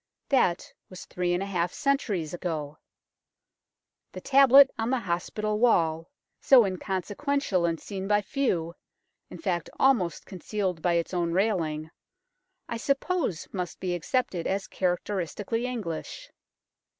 That was three and a half centuries ago. The tablet on the Hospital wall, so inconsequential and seen by few, in fact almost concealed by its own railing, I suppose must be accepted as character istically English.